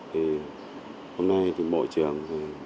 hôm nay bộ trưởng